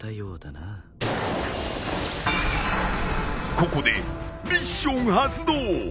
ここでミッション発動。